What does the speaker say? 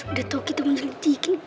udah tau kita munculin cikik